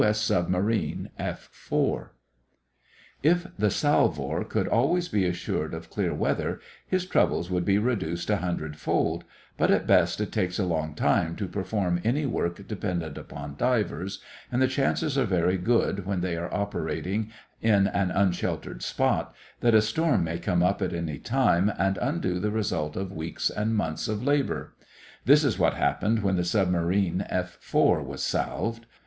S. SUBMARINE F 4 If the salvor could always be assured of clear weather, his troubles would be reduced a hundredfold, but at best it takes a long time to perform any work dependent upon divers, and the chances are very good when they are operating in an unsheltered spot, that a storm may come up at any time and undo the result of weeks and months of labor. This is what happened when the submarine F 4 was salved.